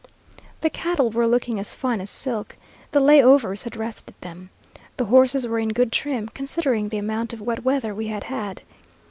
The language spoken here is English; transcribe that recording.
The cattle were looking as fine as silk. The lay overs had rested them. The horses were in good trim, considering the amount of wet weather we had had.